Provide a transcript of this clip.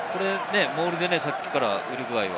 モールでさっきからウルグアイは。